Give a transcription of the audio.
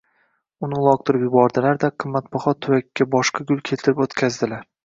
Uni uloqtirib yubordilar-da, qimmatbaho tuvakka boshqa gul keltirib o’tqazdilar.